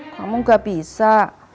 kamu gak bisa